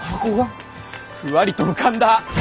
ふわりと浮かんだ。